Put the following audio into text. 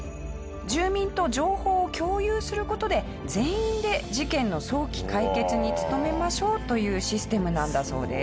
住民と情報を共有する事で全員で事件の早期解決に努めましょうというシステムなんだそうです。